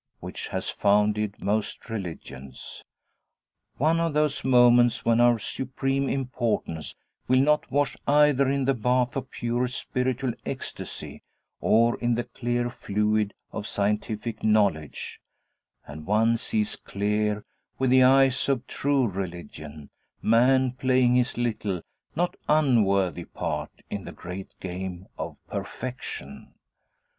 which has founded most religions. One of those moments when our supreme importance will not wash either in the bath of purest spiritual ecstasy, or in the clear fluid of scientific knowledge; and one sees clear, with the eyes of true religion, man playing his little, not unworthy, part in the great game of Perfection.